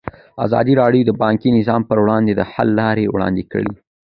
ازادي راډیو د بانکي نظام پر وړاندې د حل لارې وړاندې کړي.